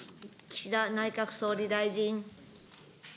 岸田内閣総理大臣。